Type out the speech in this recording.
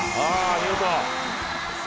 見事。